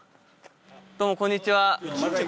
どうもこんにちは。